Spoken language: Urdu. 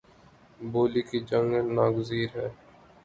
بولی کی جنگ ناگزیر ہے